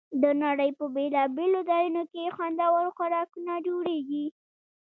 د نړۍ په بېلابېلو ځایونو کې خوندور خوراکونه جوړېږي.